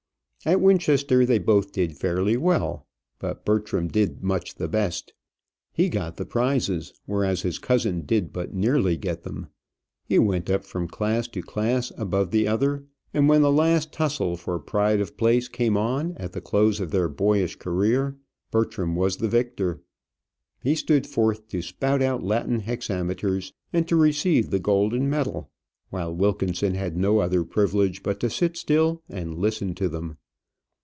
At Winchester they both did fairly well; but Bertram did much the best. He got the prizes, whereas his cousin did but nearly get them. He went up from class to class above the other, and when the last tussle for pride of place came on at the close of their boyish career, Bertram was the victor. He stood forth to spout out Latin hexameters, and to receive the golden medal, while Wilkinson had no other privilege but to sit still and listen to them.